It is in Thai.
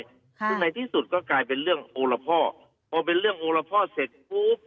ซึ่งในที่สุดก็กลายเป็นเรื่องโอละพ่อพอเป็นเรื่องโอละพ่อเสร็จปุ๊บ